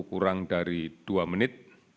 kurang dari dua menit